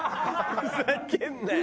「ふざけんなよ」。